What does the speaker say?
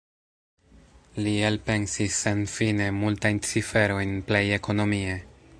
Li elpensis senfine multajn ciferojn plej ekonomie.